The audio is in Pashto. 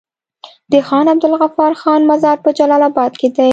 د خان عبدالغفار خان مزار په جلال اباد کی دی